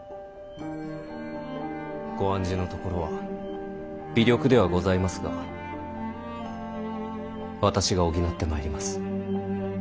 ご案じのところは微力ではございますが私が補ってまいります。